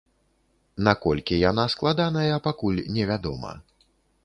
Наколькі яна складаная, пакуль невядома.